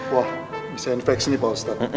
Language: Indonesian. wah bisa infeksi pak ustadz